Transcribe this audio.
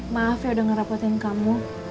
maaf ya udah ngerapetin kamu